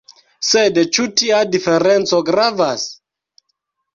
Sed ĉu tia diferenco gravas?